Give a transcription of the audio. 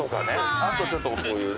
あとちょっとこういうね。